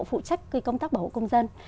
phụ trách công tác bảo hộ công dân